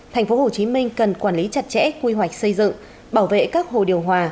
tp hcm cần quản lý chặt chẽ quy hoạch xây dựng bảo vệ các hồ điều hòa